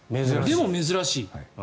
でも珍しい。